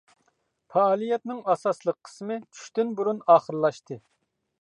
پائالىيەتنىڭ ئاساسلىق قىسمى چۈشتىن بۇرۇن ئاخىرلاشتى.